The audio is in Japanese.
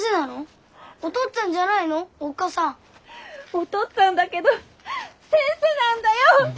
おとっつぁんだけどせんせなんだよ！